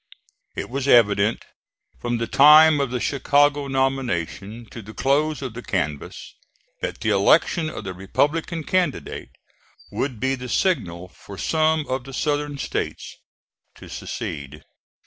It was evident, from the time of the Chicago nomination to the close of the canvass, that the election of the Republican candidate would be the signal for some of the Southern States to secede.